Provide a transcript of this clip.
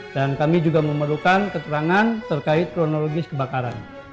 dan kami juga memerlukan keterangan terkait kronologis kebakaran